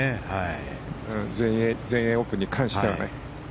全英オープンに関してはね。